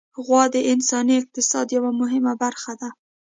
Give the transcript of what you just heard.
غوا د انساني اقتصاد یوه مهمه برخه ده.